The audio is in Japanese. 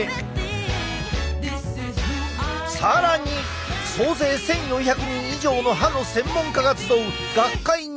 更に総勢１，４００人以上の歯の専門家が集う学会に潜入。